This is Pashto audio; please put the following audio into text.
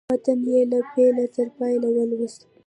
متن یې له پیله تر پایه ولوست.